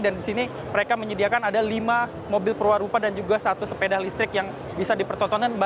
dan di sini mereka menyediakan ada lima mobil perwarupa dan juga satu sepeda listrik yang bisa dipertontonkan